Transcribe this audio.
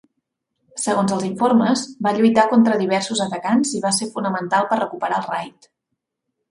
Segons els informes, va lluitar contra diversos atacants i va ser fonamental per recuperar el raid.